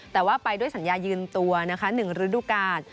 แต่ว่าไปด้วยสัญญายืนตัวนะคะ๑ฤดูกาล